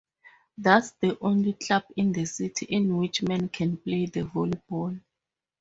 That's the only club in the city, in which men can play the volleyball.